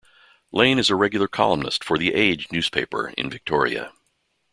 Lane is a regular columnist for "The Age" newspaper in Victoria.